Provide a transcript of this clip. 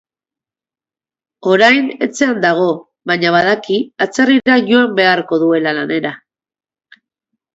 Orain etxean dago, baina badaki atzerrira joan beharko duela lanera.